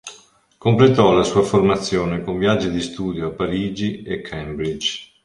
Completò la sua formazione con viaggi di studio a Parigi e Cambridge.